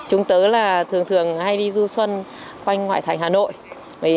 chúng tôi thường thường hay đi du xuân quanh ngoại thành hà nội